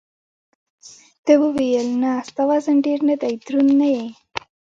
ده وویل: نه، ستا وزن ډېر نه دی، دروند نه یې.